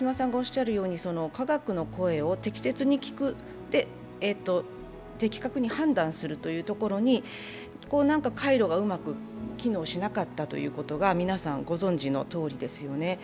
科学の声を適切に聞く、的確に判断するというところに回路がうまく機能しなかったのは皆さんご存じのとおりですよね。